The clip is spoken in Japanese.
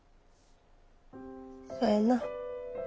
そやな。